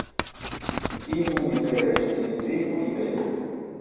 Vivu mizere, sed vivu libere!